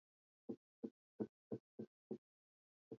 ushindi huu uliwapa waingereza nafasi kubwa